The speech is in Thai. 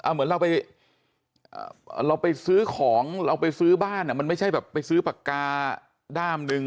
เหมือนเราไปเราไปซื้อของเราไปซื้อบ้านมันไม่ใช่แบบไปซื้อปากกาด้ามหนึ่ง